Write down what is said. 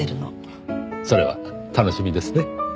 それは楽しみですね。